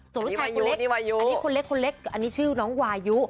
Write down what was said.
ส่วนรู้ชายคนเล็กอันนี้ชื่อน้องวายุ